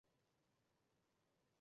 买了很多小蛋糕